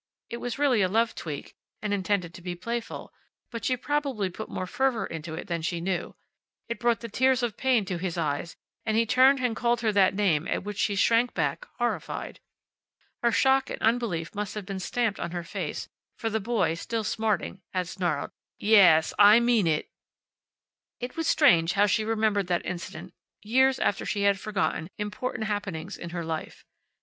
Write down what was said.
It was really a love tweak, and intended to be playful, but she probably put more fervor into it than she knew. It brought the tears of pain to his eyes, and he turned and called her the name at which she shrank back, horrified. Her shock and unbelief must have been stamped on her face, for the boy, still smarting, had snarled, "Ya as, I mean it." It was strange how she remembered that incident years after she had forgotten important happenings in her life.